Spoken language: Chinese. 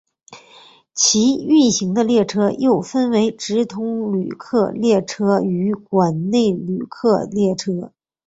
其运行的列车又分为直通旅客列车与管内旅客列车。